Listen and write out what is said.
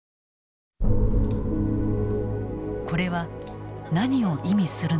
これは何を意味するのか。